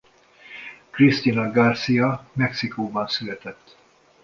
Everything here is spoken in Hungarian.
Cristina García Mexikóban született.